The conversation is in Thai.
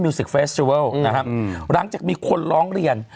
มิวสิกเฟสเจอลนะครับอืมหลังจากมีคนร้องเรียน